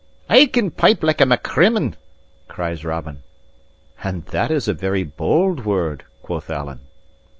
"I can pipe like a Macrimmon!" cries Robin. "And that is a very bold word," quoth Alan.